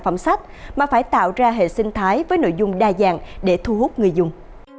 phẩm sách mà phải tạo ra hệ sinh thái với nội dung đa dạng để thu hút người dùng